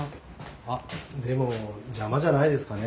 あっでも邪魔じゃないですかね？